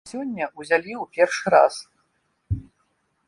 А сёння ўзялі ў першы раз.